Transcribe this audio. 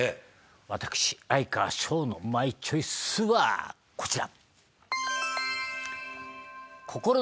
私哀川翔のマイチョイスはこちら！